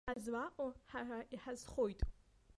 Ҳазлаҟоу ҳара иҳазхоит.